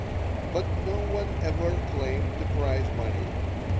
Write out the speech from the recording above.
But no one ever claimed the prize money.